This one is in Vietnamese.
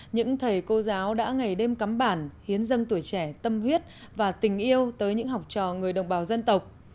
những thầy cô giáo đã ngày đêm cắm bản hiến dâng tuổi trẻ tâm huyết và tình yêu tới những học trò người đồng bào dân tộc